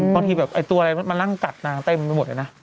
บางทีแบบไอ้ตัวอะไรมานั่งกัดนางเต็มไปหมดเลยนะ